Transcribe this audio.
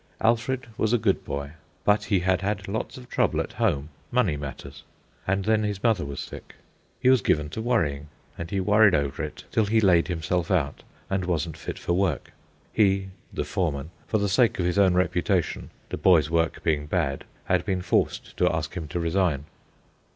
Alfred was a good boy, but he had had lots of trouble at home, money matters. And then his mother was sick. He was given to worrying, and he worried over it till he laid himself out and wasn't fit for work. He (the foreman), for the sake of his own reputation, the boy's work being bad, had been forced to ask him to resign.